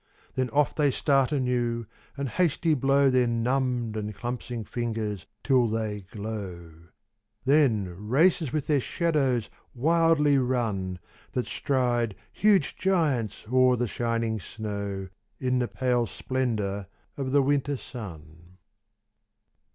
Then off they start anew and hasty blow Their numbed and clumpsing fingers till they glow; Then races with their shadows wildly run That stride huge giants o'er the shining snow In the pale splendour of the winter sun.